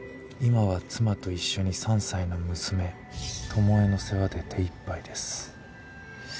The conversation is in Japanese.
「今は妻と一緒に３歳の娘朝絵の世話で手いっぱいです」。